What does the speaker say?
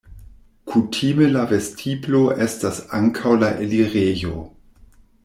Kutime la vestiblo estas ankaŭ la elirejo.